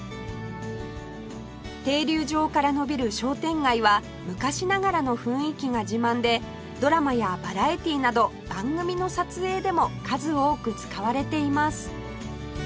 停留場から延びる商店街は昔ながらの雰囲気が自慢でドラマやバラエティーなど番組の撮影でも数多く使われています